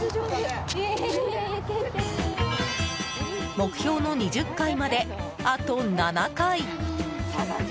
目標の２０回まであと７回。